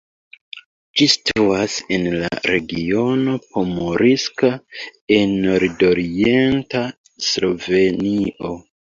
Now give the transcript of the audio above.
Ĝi situas en la regiono Pomurska en nordorienta Slovenio.